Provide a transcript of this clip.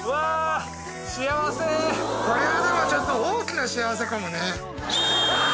これはでもちょっと大きな幸せかもねあー